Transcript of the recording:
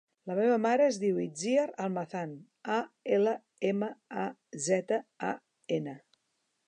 La meva mare es diu Itziar Almazan: a, ela, ema, a, zeta, a, ena.